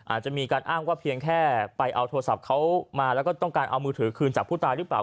อาจจะมีการอ้างว่าเพียงแค่ไปเอาโทรศัพท์เขามาแล้วก็ต้องการเอามือถือคืนจากผู้ตายหรือเปล่า